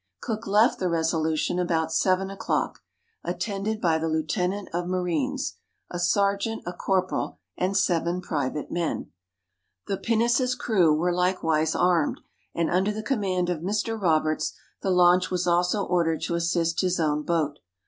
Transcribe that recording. Cook left the Resolution about seven o'clock, attended by the lieutenant of marines, a sergeant, a corporal, and seven private men. The pinnace's crew were likewise armed, and under the command of Mr. Roberts; the launch was also ordered to assist his own boat.